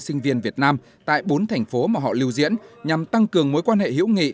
sinh viên việt nam tại bốn thành phố mà họ lưu diễn nhằm tăng cường mối quan hệ hữu nghị